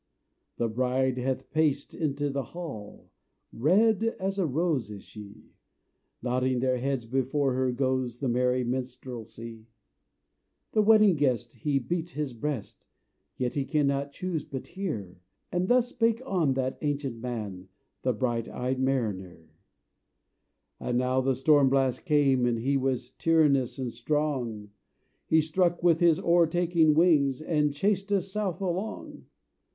The Bride hath paced into the hall, Red as a rose is she; Nodding their heads before her goes The merry minstrelsy. The Wedding Guest he beat his breast, Yet he cannot choose but hear; And thus spake on that ancient man, The bright eyed Mariner: "And now the storm blast came, and he Was tyrannous and strong: He struck with his o'ertaking wings, And chased us south along.